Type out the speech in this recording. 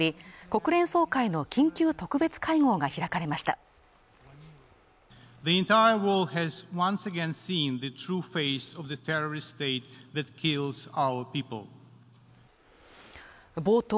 国連総会の緊急特別会合が開かれました冒頭